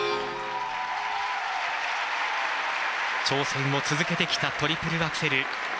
挑戦を続けてきたトリプルアクセル。